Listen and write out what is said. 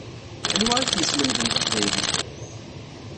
Anwa i k-yeslemden taqbaylit?